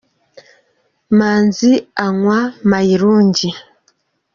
Manzi anywa mayirungi.